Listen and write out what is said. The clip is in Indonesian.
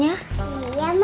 kamu inget hardaah kan ya